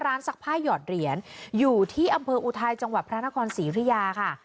ซักผ้าหยอดเหรียญอยู่ที่อำเภออุทัยจังหวัดพระนครศรีอุทยาค่ะ